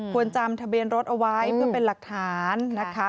จำทะเบียนรถเอาไว้เพื่อเป็นหลักฐานนะคะ